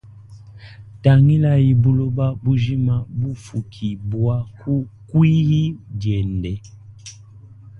Tangilayi buloba bujima mbufukibwa kui yi diende.